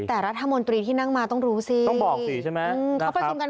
แต่รัฐมนตรีที่นั่งมาต้องรู้สิต้องบอกสิใช่ไหม